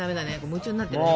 夢中になってるね。